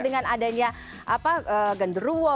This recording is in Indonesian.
dengan adanya apa gendruwo